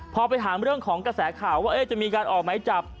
พอไปถามเรื่องของกระแสข่าวว่าจะมีการออกไหมจับ